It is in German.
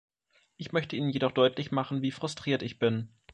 Ich möchte Ihnen jedoch deutlich machen, wie frustriert ich bin.